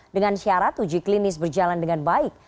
dengan syarat uji klinis berjalan dengan baik